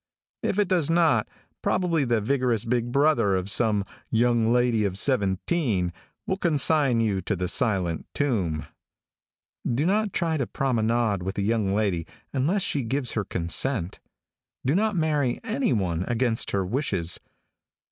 If it does not, probably the vigorous big brother of some young lady of seventeen, will consign you to the silent tomb. Do not try to promenade with a young lady unless she gives her consent. Do not marry anyone against her wishes.